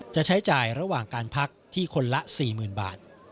จะใช้จ่ายระหว่างการพักที่คนละ๔๐๐๐บาท